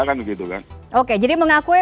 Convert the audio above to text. kan begitu kan oke jadi mengakui